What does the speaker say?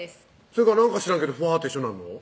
それがなんか知らんけどフワーッて一緒になんの？